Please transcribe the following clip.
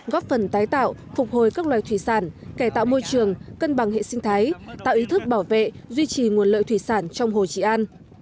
góp phần tái tạo phục hồi các loài thủy sản kẻ tạo môi trường cân bằng hệ sinh thái tạo ý thức bảo vệ duy trì nguồn lợi thủy sản trong hồ trị an